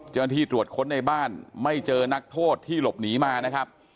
เจ้าหน้าที่ตรวจค้นในบ้านไม่เจอนักโทษที่หลบหนีมานะครับ